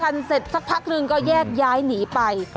เสร็จสักพักหนึ่งก็แยกย้ายหนีไป